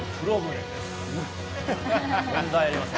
問題ありません。